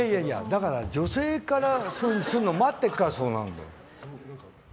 だから女性からそういうのを待ってるからそうなるんだよ。